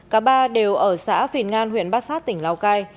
cả ba đều ở xã phìn ngan huyện bát sát tỉnh lào cai